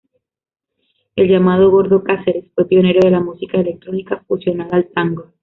El llamado "Gordo Cáceres" fue pionero de la música electrónica fusionada al tango.